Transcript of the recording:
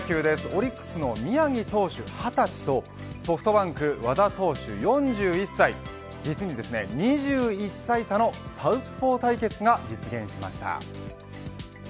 オリックスの宮城投手２０歳とソフトバンク和田投手４２歳実に２１歳差のサウスポー対決が実現しました。